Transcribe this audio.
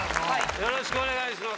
よろしくお願いします。